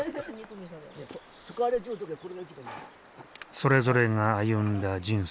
それぞれが歩んだ人生。